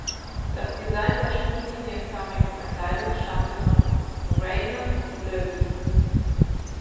Das Design der stromlinienförmigen Verkleidung stammte von Raymond Loewy.